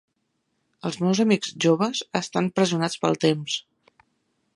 Els meus amics joves estan pressionats pel temps.